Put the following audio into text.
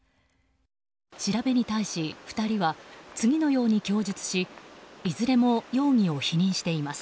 調べに対し、２人は次のように供述しいずれも容疑を否認しています。